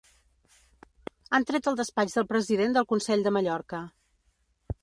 Han tret el despatx del president del Consell de Mallorca